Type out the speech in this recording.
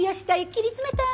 切りつめたい！